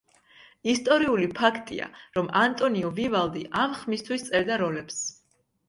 ისტორიული ფაქტია, რომ ანტონიო ვივალდი ამ ხმისთვის წერდა როლებს.